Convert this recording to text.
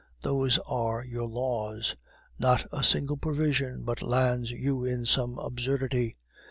Those are your laws. Not a single provision but lands you in some absurdity.